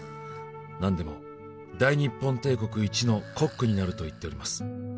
「何でも大日本帝国一のコックになると言っております」